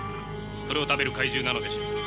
それを食べる怪獣なのでしょう。